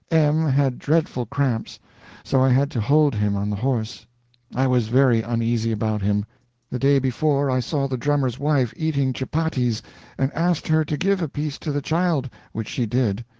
M had dreadful cramps, so that I had to hold him on the horse. I was very uneasy about him. The day before I saw the drummer's wife eating chupatties, and asked her to give a piece to the child, which she did.